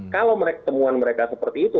kalau temuan mereka seperti itu